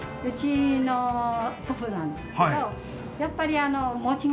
うちの祖父なんですけどやっぱり。